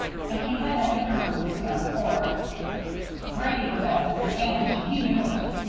And he had entered the room of his own accord. Grady was at a disadvantage, and he knew it.